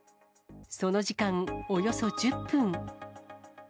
その時間、およそ１０分。